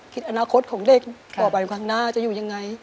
อนาคตของเด็กต่อไปข้างหน้าจะอยู่ยังไง